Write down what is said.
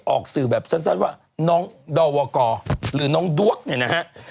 ออกสื่อแบบสั้นว่าน้องดอวกหรือน้องด้วกเนี่ยนะฮะ